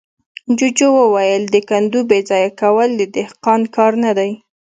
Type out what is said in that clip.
جوجو وويل: د کندو بېځايه کول د دهقان کار نه دی.